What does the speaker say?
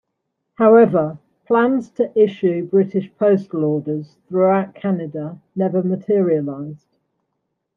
However, plans to issue British postal orders throughout Canada never materialised.